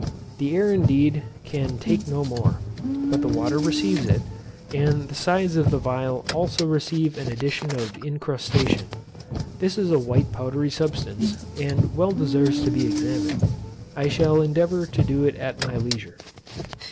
The air indeed, can take no more; but the water receives it, and the sides of the phial also receive an addition of incrustation. This is a white powdery substance, and well deserves to be examined. I shall endeavour to do it at my leisure.